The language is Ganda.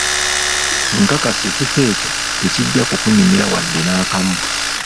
Nkakasa ekifo ekyo tekijja kukunyumira wadde nakamu.